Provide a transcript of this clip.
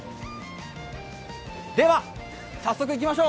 では、早速いきましょう！